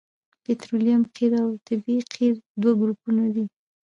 پطرولیم قیر او طبیعي قیر دوه ګروپونه دي